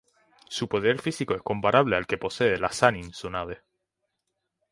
Su poder físico es comparable al que posee la sannin Tsunade.